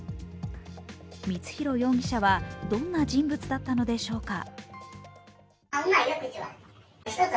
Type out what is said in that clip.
光弘容疑者はどんな人物だったのでしょうか。